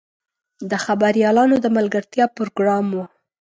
د خبریالانو د ملګرتیا پروګرام و.